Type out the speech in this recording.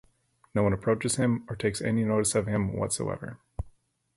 No one approaches him or takes any notice of him whatsoever.